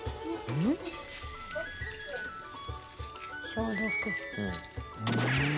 消毒。